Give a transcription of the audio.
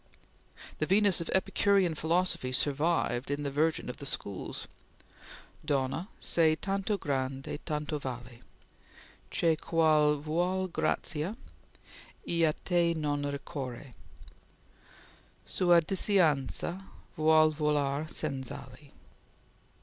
The Venus of Epicurean philosophy survived in the Virgin of the Schools: "Donna, sei tanto grande, e tanto vali, Che qual vuol grazia, e a te non ricorre, Sua disianza vuol volar senz' ali."